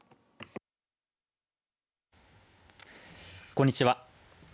こんにちは。